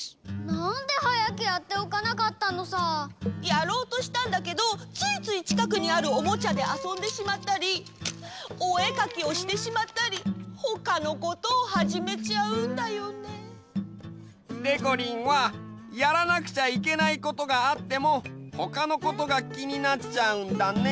やろうとしたんだけどついついちかくにあるオモチャであそんでしまったりおえかきをしてしまったりほかのことをはじめちゃうんだよね。でこりんはやらなくちゃいけないことがあってもほかのことがきになっちゃうんだね。